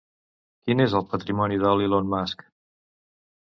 Quin és el patrimoni de l'Elon Musk?